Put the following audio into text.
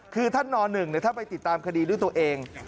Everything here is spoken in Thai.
คือท่านน๑ถ้าไปติดตามคดีด้วยตัวเอง